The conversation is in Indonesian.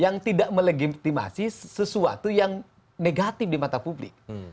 yang tidak melegitimasi sesuatu yang negatif di mata publik